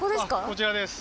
こちらです。